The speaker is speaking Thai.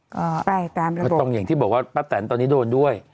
ก็ต้องอย่างที่บอกว่าป้าแตนตอนนี้โดนด้วย